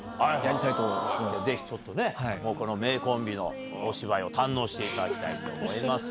この名コンビのお芝居を堪能していただきたいと思います。